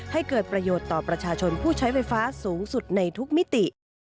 ให้เกิดประโยชน์ต่อประชาชนผู้ใช้ไฟฟ้าสูงสุดในทุกมิติ